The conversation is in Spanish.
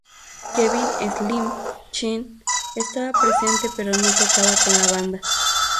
Kevin "Slim" Chen estaba presente pero no tocó con la banda.